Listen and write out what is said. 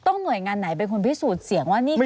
หน่วยงานไหนเป็นคนพิสูจน์เสียงว่านี่คือ